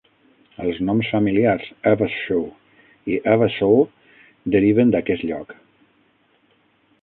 Els noms familiars "Evershaw" i "Eversaw" deriven d'aquest lloc.